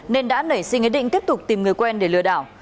nên đã nảy sinh ý định tiếp tục tìm người quen để lừa đảo